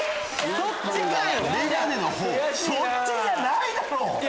そっちじゃないだろ！